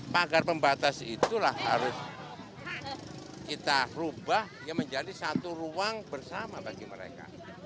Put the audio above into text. panggar pembatas itulah harus kita ubah menjadi satu ruang bersama bagi mereka